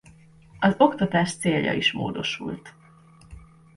Az oktatás célja is módosult.